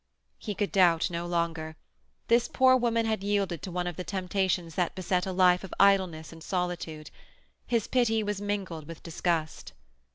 He could doubt no longer. This poor woman had yielded to one of the temptations that beset a life of idleness and solitude. His pity was mingled with disgust.